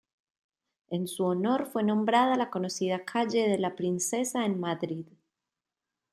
En su honor fue nombrada la conocida calle de la Princesa en Madrid.